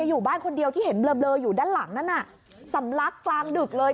อยู่บ้านคนเดียวที่เห็นเบลออยู่ด้านหลังนั้นน่ะสำลักกลางดึกเลย